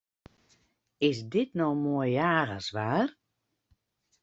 Is dit no moai jagerswaar?